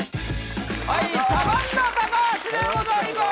はいサバンナ・高橋でございます